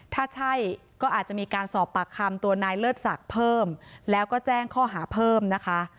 ถ้าใช่ก็อาจจะมีการสอบปากคำตัวนายเลิศศักดิ์เพิ่มแล้วก็แจ้งข้อหาเพิ่มนะคะ